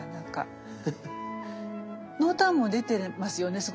濃淡も出てますよね